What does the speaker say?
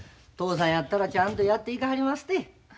嬢さんやったらちゃんとやっていかはりますて。